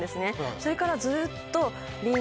それからずっと。